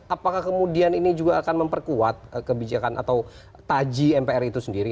apakah kemudian ini juga akan memperkuat kebijakan atau taji mpr itu sendiri